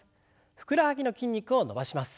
ふくらはぎの筋肉を伸ばします。